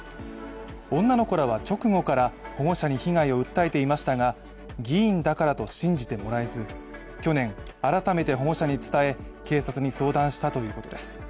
女の子らは直後から保護者に被害を訴えていましたが議員だからと信じてもらえず去年改めて、保護者に伝え警察に相談したということです。